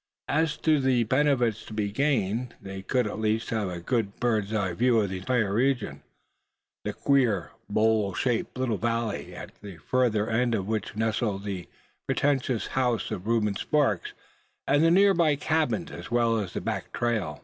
As to the benefits to be gained, they could at least have a good birdseye view of the entire region, the queer bowl shaped little valley, at the further end of which nestled the pretentious house of Reuben Sparks, and the nearby cabins; as well as the back trail.